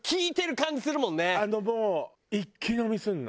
あのもう一気飲みするの。